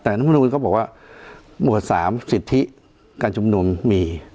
แต่รัฐมนุนก็บอกว่าหมวด๓สิทธิการชุมนุมมี